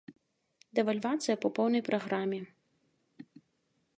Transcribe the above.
Дэвальвацыя па поўнай праграме.